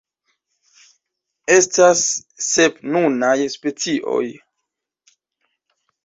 Estas sep nunaj specioj.